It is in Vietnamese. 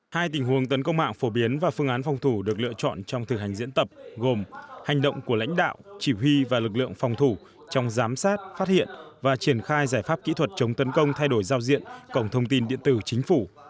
hai tình huống tấn công mạng phổ biến và phương án phòng thủ được lựa chọn trong thực hành diễn tập gồm hành động của lãnh đạo chỉ huy và lực lượng phòng thủ trong giám sát phát hiện và triển khai giải pháp kỹ thuật chống tấn công thay đổi giao diện cổng thông tin điện tử chính phủ